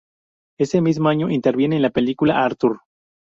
Ese mismo año interviene en la película "Arthur!